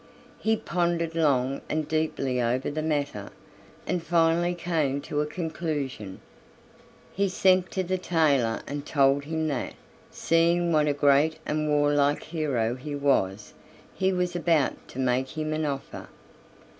He pondered long and deeply over the matter, and finally came to a conclusion. He sent to the tailor and told him that, seeing what a great and warlike hero he was, he was about to make him an offer.